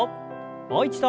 もう一度。